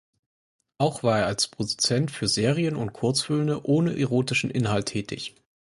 Auch war er als Produzent für Serien und Kurzfilme (ohne erotischen Inhalt) tätig.